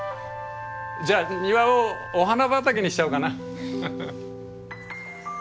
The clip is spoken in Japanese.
じゃあ庭をお花畑にしちゃおうかな。